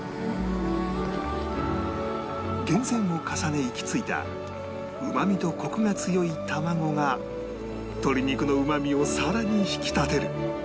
厳選を重ね行き着いたうまみとコクが強い卵が鶏肉のうまみをさらに引き立てる